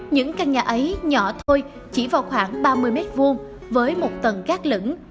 những căn nhà ấy nhỏ thôi chỉ vào khoảng ba mươi mét vuông với một tầng gác lửng